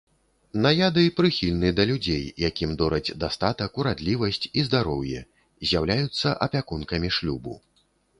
Наяды прыхільны да людзей, якім дораць дастатак, урадлівасць і здароўе, з'яўляюцца апякункамі шлюбу.